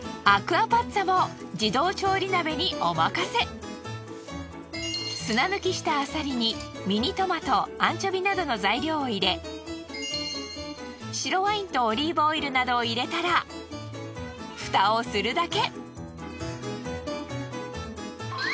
そして砂抜きしたあさりにミニトマトアンチョビなどの材料を入れ白ワインとオリーブオイルなどを入れたら蓋をするだけ。